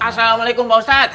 assalamualaikum pak ustadz